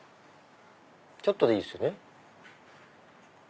ちょっとでいいですよね。